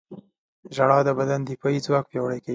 • ژړا د بدن دفاعي ځواک پیاوړی کوي.